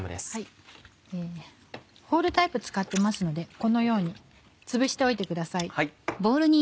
ホールタイプ使ってますのでこのようにつぶしておいてください。